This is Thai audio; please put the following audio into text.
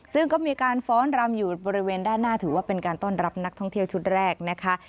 ซึ่งก็มีการฟ้อนรำอยู่บริเวณด้านหน้าถือว่าเป็นการต้อนรับนักท่องเที่ยวชุดแรกนะคะ